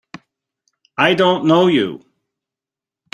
I don't know you!